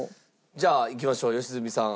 じゃあいきましょう良純さん。